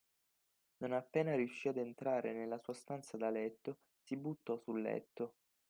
Non appena riuscì ad entrare nella sua stanza da letto, si buttò sul letto